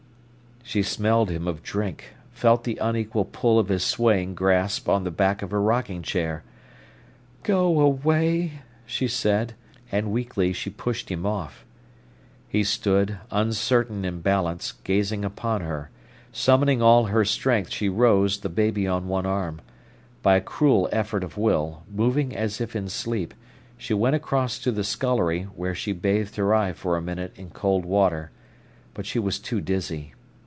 She smelled him of drink, felt the unequal pull of his swaying grasp on the back of her rocking chair. "Go away," she said, and weakly she pushed him off. He stood, uncertain in balance, gazing upon her. Summoning all her strength she rose, the baby on one arm. By a cruel effort of will, moving as if in sleep, she went across to the scullery, where she bathed her eye for a minute in cold water; but she was too dizzy.